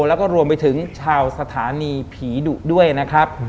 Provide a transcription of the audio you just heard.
แล้วก็รวมไปถึงชาวสถานีผีดุด้วยนะครับ